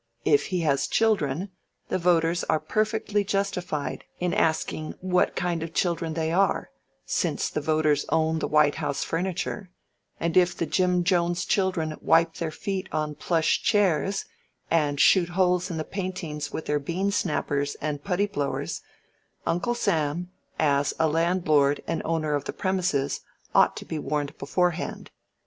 If he has children, the voters are perfectly justified in asking what kind of children they are, since the voters own the White House furniture, and if the Jim Jones children wipe their feet on plush chairs, and shoot holes in the paintings with their bean snappers and putty blowers, Uncle Sam, as a landlord and owner of the premises, ought to be warned beforehand.